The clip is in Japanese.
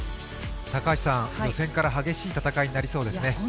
予選から激しい戦いになりそうですね。